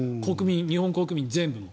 日本国民全部も。